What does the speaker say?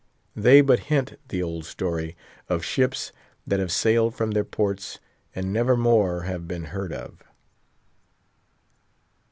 They but hint the old story—of ships that have sailed from their ports, and never more have been heard of.